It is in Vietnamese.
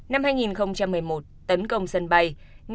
năm hai nghìn một mươi một tấn công sân bay